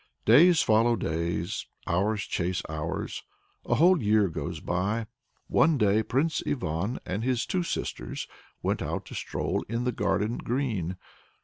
Days follow days, hours chase hours; a whole year goes by. One day Prince Ivan and his two sisters went out to stroll in the garden green.